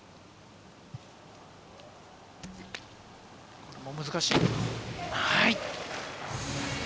これも難しい。